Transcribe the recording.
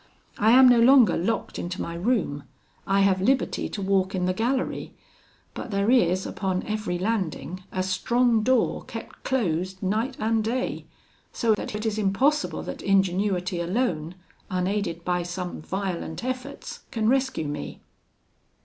I am no longer locked into my room; I have liberty to walk in the gallery; but there is, upon every landing, a strong door kept closed night and day, so that it is impossible that ingenuity alone, unaided by some violent efforts, can rescue me.